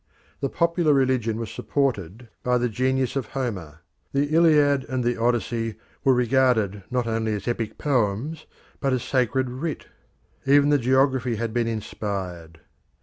The popular religion was supported by the genius of Homer. The Iliad and the Odyssey were regarded not only as epic poems but as sacred writ; even the geography had been inspired.